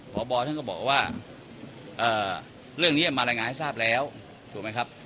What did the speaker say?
พบท่านก็บอกว่าเรื่องนี้มารายงานให้ทราบแล้วถูกไหมครับ